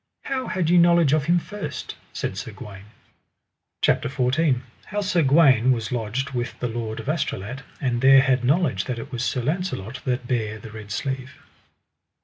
How had ye knowledge of him first? said Sir Gawaine. CHAPTER XIV. How Sir Gawaine was lodged with the lord of Astolat, and there had knowledge that it was Sir Launcelot that bare the red sleeve.